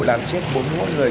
làm chết bốn mỗi người